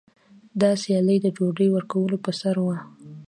دا سیالي د ډوډۍ ورکولو په سر وه.